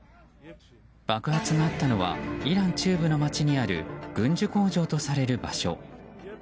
爆発があったのはイラン中部の街にある軍需工場とされる場所。